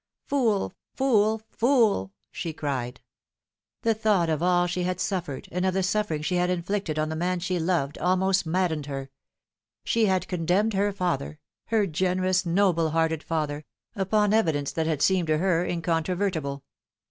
" Fool, fool, fool !" she cried. The thought of all she had suffered, and of the suffering she had inflicted on the man she loved, almost maddened her. She had condemned her father her generous, noble hearted father upon evidence that had seemed to her incontrovertible.